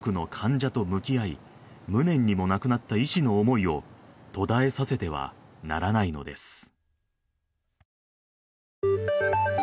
多くの患者と向き合い無念にも亡くなった医師の思いを途絶えさせてはならないのです